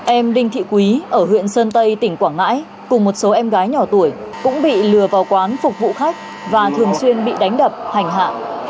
em đinh thị quý ở huyện sơn tây tỉnh quảng ngãi cùng một số em gái nhỏ tuổi cũng bị lừa vào quán phục vụ khách và thường xuyên bị đánh đập hành hạ